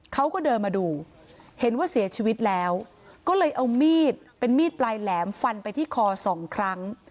เขาก็เดินมาดูเห็นว่าเสียชีวิตแล้วก็เลยเอามีดเป็นมีดปลายแหลมฟันไปที่คอสองครั้ง